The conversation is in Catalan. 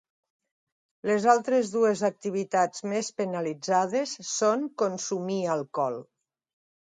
Les altres dues activitats més penalitzades són consumir alcohol.